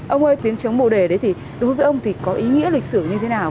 ông ơi tiếng chống bộ đề đấy thì đối với ông thì có ý nghĩa lịch sử như thế nào